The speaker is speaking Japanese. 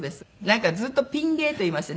なんかずっとピン芸といいましてね